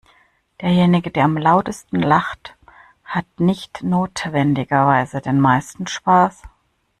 Derjenige, der am lautesten lacht, hat nicht notwendigerweise den meisten Spaß.